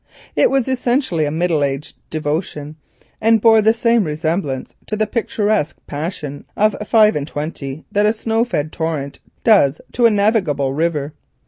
It was essentially a middle aged devotion, and bore the same resemblance to the picturesque passion of five and twenty that a snow fed torrent does to a navigable river.